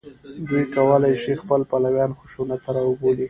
دوی کولای شي خپل پلویان خشونت ته راوبولي